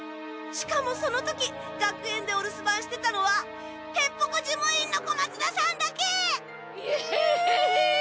しかもその時学園でおるすばんしてたのはへっぽこ事務員の小松田さんだけ！え！？